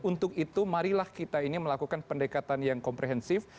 untuk itu marilah kita ini melakukan pendekatan yang komprehensif